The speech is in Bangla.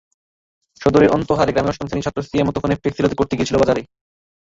সদরের অন্তাহার গ্রামের অষ্টম শ্রেণির ছাত্র সিয়াম মুঠোফোনে ফ্লেক্সিলোড করতে গিয়েছিল বাজারে।